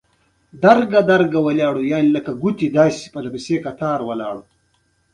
رنګ د ملونه مادې پورې اړه لري.